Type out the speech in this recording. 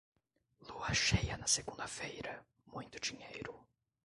Lua cheia na segunda-feira, muito dinheiro.